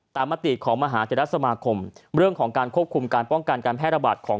มติของมหาเทรสมาคมเรื่องของการควบคุมการป้องกันการแพร่ระบาดของ